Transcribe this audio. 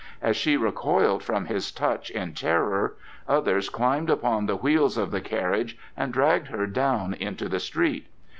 As she recoiled from his touch in terror, others climbed upon the wheels of the carriage and dragged her down into the street.